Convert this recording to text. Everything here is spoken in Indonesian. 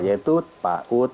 yaitu pak ut tk pak ut